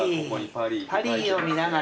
パリーを見ながら。